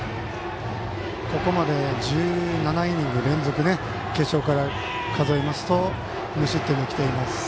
ここまで１７イニング連続決勝から数えると無失点で来ています。